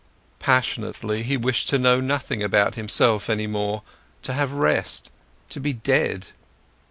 Passionately he wished to know nothing about himself anymore, to have rest, to be dead.